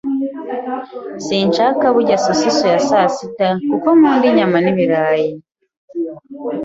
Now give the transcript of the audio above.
Sinshaka kurya sosiso ya sasita, kuko nkunda inyama n'ibirayi.